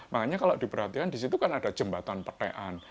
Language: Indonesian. makanya kalau diperhatikan disitu kan ada jembatan pertean